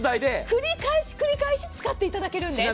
繰り返し繰り返し使っていただけるんです。